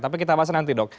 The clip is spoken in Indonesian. tapi kita bahas nanti dok